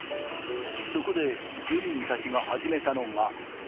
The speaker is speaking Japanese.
そこで住民たちが始めたのが。